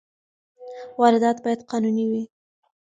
واردات باید قانوني وي.